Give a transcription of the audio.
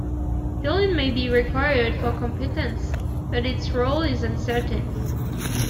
Pilin may be required for competence, but its role is uncertain.